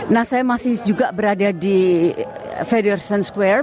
nah saya masih juga berada di federation square